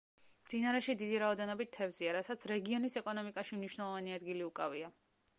მდინარეში დიდი რაოდენობით თევზია, რასაც რეგიონის ეკონომიკაში მნიშვნელოვანი ადგილი უკავია.